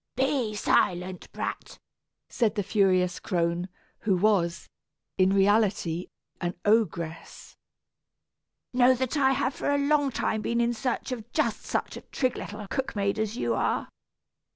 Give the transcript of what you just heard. "Be silent, brat," said the furious crone, who was, in reality, an ogress. "Know that I have for a long time been in search of just such a trig little cook maid as you are.